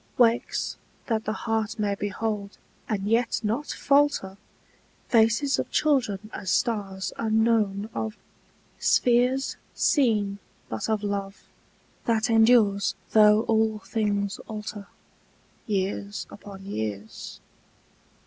Wakes, that the heart may behold, and yet not falter, Faces of children as stars unknown of, spheres Seen but of love, that endures though all things alter, Years upon years.